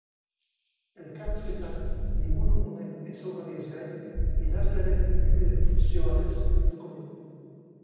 Elkarrizketan, liburu honen ezaugarriez gain, idazlearen ibilbide profesioalez arituko dira.